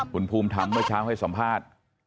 คุณภูมิธรรมเมื่อเช้าให้สัมภาษณ์